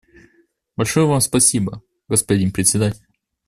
Большое Вам спасибо, господин Председатель.